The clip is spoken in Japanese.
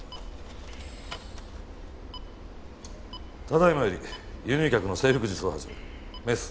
ただいまより輸入脚の整復術を始める。